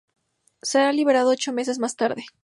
Será liberado ocho meses más tarde.